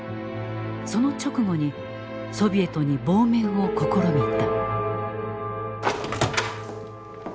その直後にソビエトに亡命を試みた。